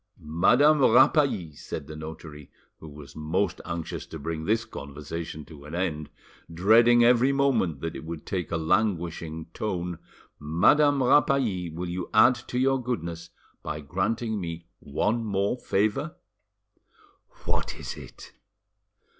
"Madame Rapally," said the notary, who was most anxious to bring this conversation to an end, dreading every moment that it would take a languishing tone, "Madame Rapally, will you add to your goodness by granting me one more favour?" "What is it?"